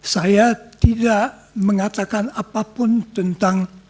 saya tidak mengatakan apapun tentang